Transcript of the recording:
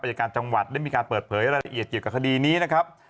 การจังหวัดได้มีการเปิดเผยรายละเอียดเกี่ยวกับคดีนี้นะครับ